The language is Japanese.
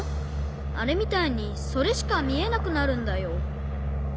あれみたいにそれしかみえなくなるんだよ。